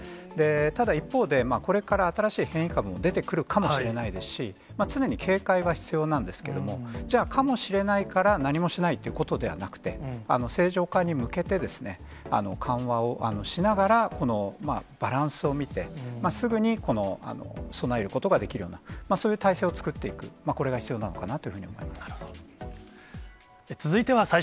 ただ一方で、これから新しい変異株も出てくるかもしれないですし、常に警戒は必要なんですけれども、じゃあ、かもしれないから何もしないということではなくて、正常化に向けて、緩和をしながら、このバランスを見て、すぐに備えることができるような、そういう態勢を作っていく、これが必要なのかなというふうになるほど。